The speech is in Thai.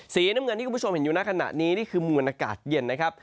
สีน้ำเงินที่คุณผู้ชมเห็นอยู่ในขณะนี้นี่คือมวลอากาศเย็นนะครับ